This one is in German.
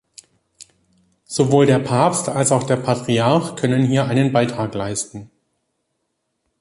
Sowohl der Papst als auch der Patriarch können hier einen Beitrag leisten.